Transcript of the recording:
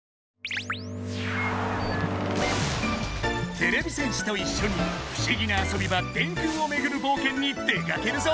てれび戦士といっしょに不思議な遊び場電空をめぐる冒険に出かけるぞ！